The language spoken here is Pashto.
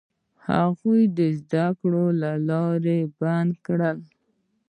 هغوی د زده کړو لاره بنده کړه.